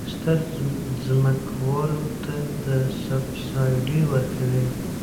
ستر ځمکوالو ته سبسایډي ورکړي.